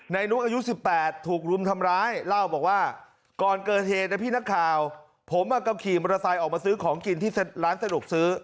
นุอายุ๑๘ถูกรุมทำร้ายเล่าบอกว่าก่อนเกิดเหตุนะพี่นักข่าวผมก็ขี่มอเตอร์ไซค์ออกมาซื้อของกินที่ร้านสะดวกซื้อ